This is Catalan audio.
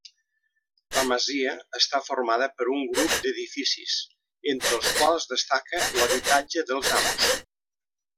La masia està formada per un grup d'edificis, entre els quals destaca l'habitatge dels amos.